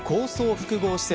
複合施設